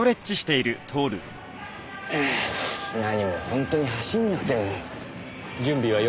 何も本当に走んなくても。